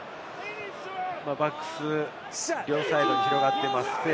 バックス、両サイドに広がっています。